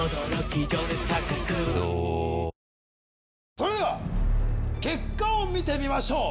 それでは結果を見てみましょう。